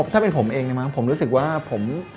ถ้าเป็นผมเองเนี่ยมั้งผมรู้สึกว่าผม